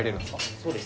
そうです。